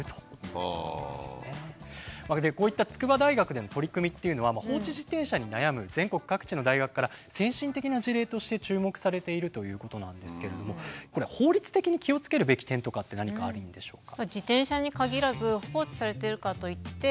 こういった筑波大学での取り組みっていうのは放置自転車に悩む全国各地の大学から先進的な事例として注目されているということなんですけどもこれ法律的に気をつけるべき点とかって何かあるんでしょうか？